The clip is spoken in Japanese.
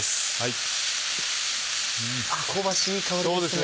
香ばしいいい香りですね。